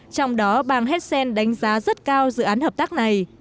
trong đó bang hessen đánh giá rất cao dự án hợp tác này